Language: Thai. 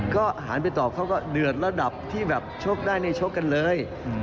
ก็หันไปตอบเขาก็เดือดระดับที่แบบชกได้นี่ชกกันเลย